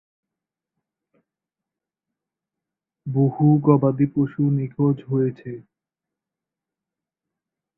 বহু গবাদি পশু নিখোঁজ হয়েছে।